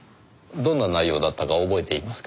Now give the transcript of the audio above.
どんな内容だったか覚えていますか？